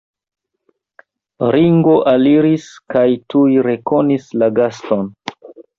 Ringo aliris kaj tuj rekonis la gaston.